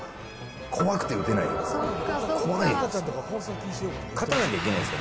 怖くて打てないんですよ。